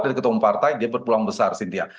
dari ketua partai dia berpulang besar sintia